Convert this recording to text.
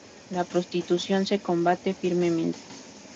La prostitución se combate firmemente.